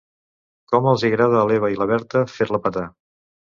Com els hi agrada a l'Eva i la Berta fer-la petar.